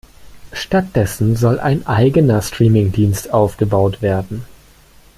Stattdessen soll ein eigener Streaming-Dienst aufgebaut werden.